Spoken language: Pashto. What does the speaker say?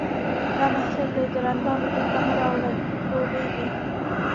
دا محفل دی د رندانو دلته مه راوړه توبې دي